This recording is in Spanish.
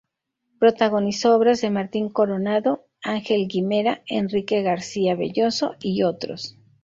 Protagonizó obras de Martín Coronado, Ángel Guimerá, Enrique García Velloso y otros.